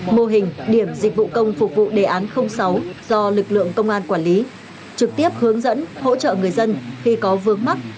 mô hình điểm dịch vụ công phục vụ đề án sáu do lực lượng công an quản lý trực tiếp hướng dẫn hỗ trợ người dân khi có vướng mắc